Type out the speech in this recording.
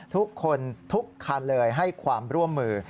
ทุกคนทุกคันเลยให้ความร่วมมือ